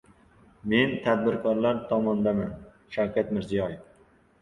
Men tadbirkorlar tomondaman-Shavkat Mirziyoyev